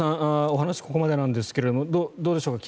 お話、ここまでですがどうでしょうか